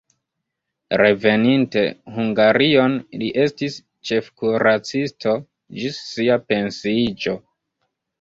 Reveninte Hungarion li estis ĉefkuracisto ĝis sia pensiiĝo.